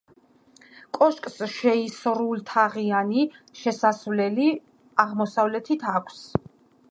კოშკს შეისრულთაღიანი შესასვლელი აღმოსავლეთით აქვს.